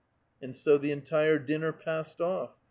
And so the entire dinner passed off.